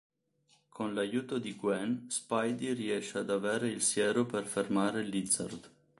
Con l'aiuto di Gwen, Spidey riesce ad avere il siero per fermare Lizard.